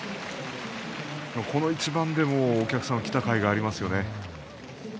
この一番でお客さんは来たかいがありますね。